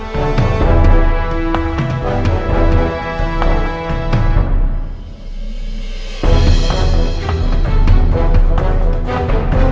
สวัสดีครับสวัสดีครับ